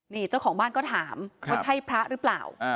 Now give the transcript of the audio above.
นี่เจ้าของบ้านก็ถามว่าใช่พระหรือเปล่า